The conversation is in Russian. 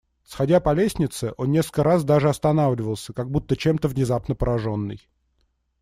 Сходя по лестнице, он несколько раз даже останавливался, как будто чем-то внезапно пораженный.